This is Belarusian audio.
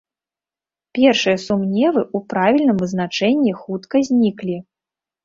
Першыя сумневы ў правільным вызначэнні хутка зніклі.